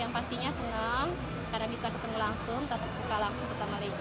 yang pastinya senang karena bisa ketemu langsung tetap buka langsung bersama legi